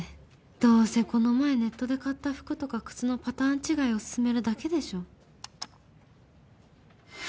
どうせこの前ネットで買った服とか靴のパターン違いをすすめるだけでしょ